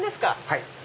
はい。